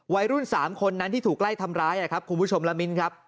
วัยรุ่น๓คนนั้นที่ถูกไล่ทำร้ายครับคุณผู้ชมละมิ้นครับ